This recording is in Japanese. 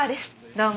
どうも。